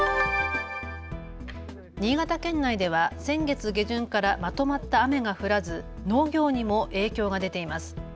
新潟県内では先月下旬からまとまった雨が降らず農業にも影響が出ています。